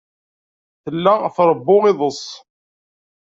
Tella tṛewwu iḍes.